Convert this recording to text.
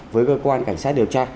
với cơ quan cảnh sát điều tra